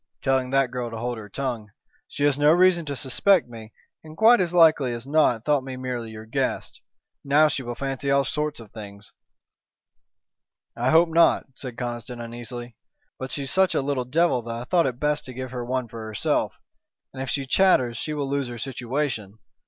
"Telling that girl to hold her tongue. She has no reason to suspect me, and quite as likely as not thought me merely your guest. Now she will fancy all sorts of things." "I hope not," said Conniston, uneasily, "but she's such a little devil that I thought it best to give her one for herself. And if she chatters she will lose her situation.